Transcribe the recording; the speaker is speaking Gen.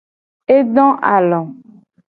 E do alo.